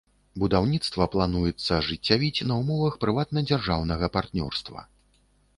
Будаўніцтва плануецца ажыццявіць на ўмовах прыватна-дзяржаўнага партнёрства.